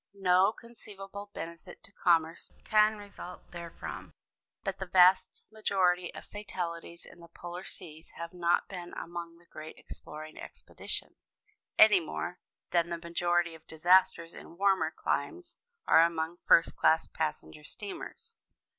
No conceivable benefit to commerce can result therefrom. But the vast majority of fatalities in the polar seas have not been among the great exploring expeditions, any more than the majority of disasters in warmer climes are among first class passenger steamers.